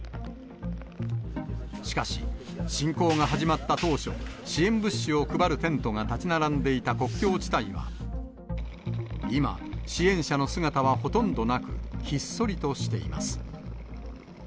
しかし、侵攻が始まった当初、支援物資を配るテントが立ち並んでいた国境地帯は、今、支援者の姿はほとんどなく、ひっそりとしています。